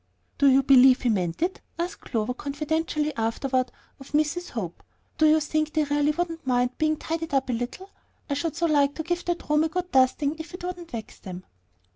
"Do you believe he meant it?" asked Clover, confidentially afterward of Mrs. Hope. "Do you think they really wouldn't mind being tidied up a little? I should so like to give that room a good dusting, if it wouldn't vex them."